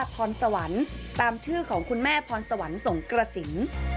พรสวรรค์ตามชื่อของคุณแม่พรสวรรค์สงกระสิน